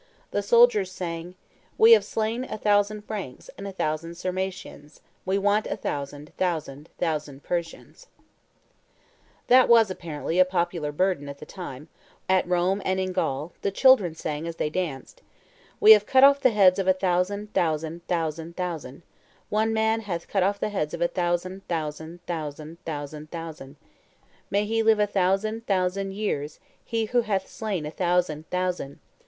The soldiers sang, We have slain a thousand Franks and a thousand Sarmatians; we want a thousand, thousand, Thousand Persians. [Illustration: Germans invading Gaul 129] That was, apparently, a popular burden at the time, for on the days of military festivals, at Rome and in Gaul, the children sang, as they danced, We have cut off the heads of a thousand, thousand, thousand, Thousand; One man hath cut off the heads of a thousand, thousand, thousand, Thousand, thousand; May he live a thousand, thousand years, he who hath slain a thousand, thousand!